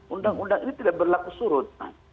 undang undang ini tidak berlaku surut